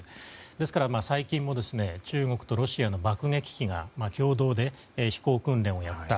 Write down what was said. ですから、最近も中国とロシアの爆撃機が共同で飛行訓練をやった。